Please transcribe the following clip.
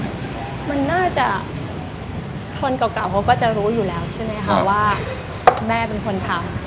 มันน่าจะคนเก่าเขาก็จะรู้อยู่แล้วใช่ไหมคะว่าแม่เป็นคนทำ